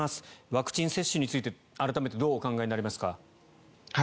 ワクチン接種について改めてどうお考えになりますか。